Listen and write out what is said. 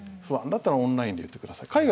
不安だったらオンラインでいってください。